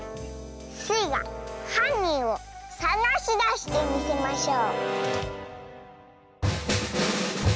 スイがはんにんをさがしだしてみせましょう！